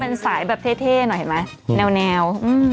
เป็นสายแบบเท่หน่อยเห็นไหมแนว